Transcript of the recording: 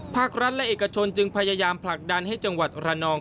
ภาครัฐและเอกชนจึงพยายามผลักดันให้จังหวัดระนอง